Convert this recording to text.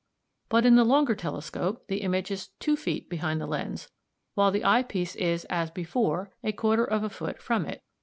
But in the longer telescope the image is two feet behind the lens, while the eye piece is, as before, a quarter of a foot from it.